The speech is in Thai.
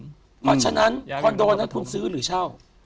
เพราะฉะนั้นคอนโดนัทุนซื้อหรือเช่า